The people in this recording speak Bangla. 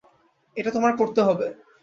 এটা তোমার করতে হবে।